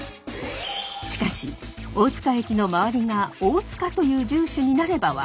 しかし大塚駅の周りが大塚という住所になれば分かりやすい。